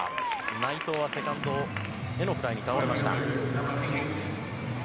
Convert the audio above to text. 内藤はセカンドフライに倒れました。